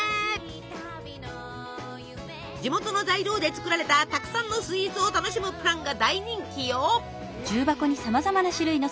地元の材料で作られたたくさんのスイーツを楽しむプランが大人気よ！